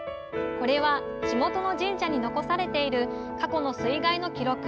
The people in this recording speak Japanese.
これは地元の神社に残されている過去の水害の記録。